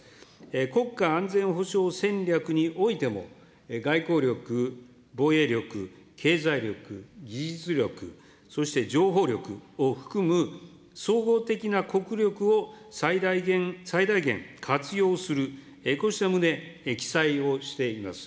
国家安全保障戦略においても、外交力、防衛力、経済力、技術力、そして情報力を含む総合的な国力を最大限、活用する、こうした旨、記載をしています。